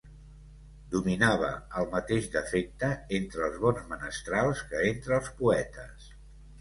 Dominava el mateix defecte entre els bons menestrals que entre els poetes;